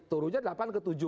turunnya delapan ke tujuh